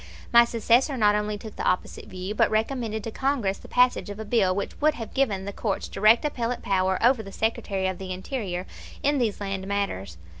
My successor not only took the opposite view, but recommended to Congress the passage of a bill which would have given the courts direct appellate power over the Secretary of the Interior in these land matters.